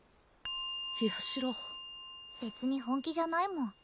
ヤシロ別に本気じゃないもん